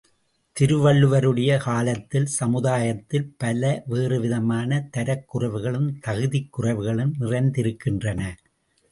திருவள்ளுவருடைய காலத்தில் சமுதாயத்தில் பல வேறுவிதமான தரக் குறைவுகளும் தகுதிக் குறைவுகளும் நிறைந்திருக்கின்றன.